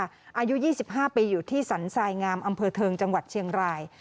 อายุ๒๕ปีอยู่ที่สรรทรายงามอำเภอเทิงจังหวัดเชียงราย